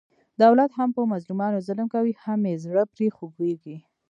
دولت هم په مظلومانو ظلم کوي، هم یې زړه پرې خوګېږي.